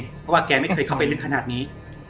เพราะว่าแกไม่เคยเข้าไปลึกขนาดนี้